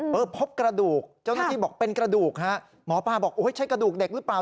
พบกระดูกเจ้าหน้าที่บอกเป็นกระดูกฮะหมอปลาบอกโอ้ยใช่กระดูกเด็กหรือเปล่า